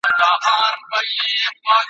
ځنګل د زمرو څخه خالي نه وي `